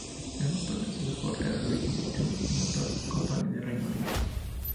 El motor slant-four era de origen Triumph Motor Company de Reino Unido.